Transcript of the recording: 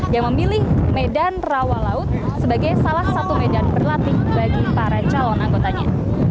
yang memilih medan rawa laut sebagai salah satu medan berlatih bagi para calon anggotanya